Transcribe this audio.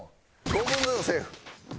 ５分の４セーフ。